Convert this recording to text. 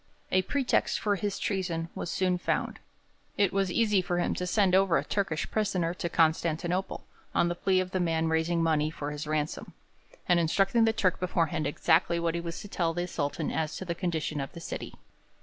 A pretext for his treason was soon found: it was easy for him to send over a Turkish prisoner to Constantinople, on the plea of the man raising money for his ransom, and instructing the Turk beforehand exactly what he was to tell the Sultan as to the condition of the city.